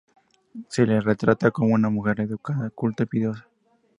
Se la retrata como una mujer educada, culta y piadosa.